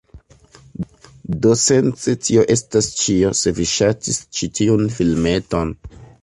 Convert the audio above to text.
Do sence tio estas ĉio, se vi ŝatis ĉi tiun filmeton